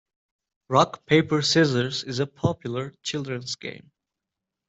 Rock, paper, scissors is a popular children's game.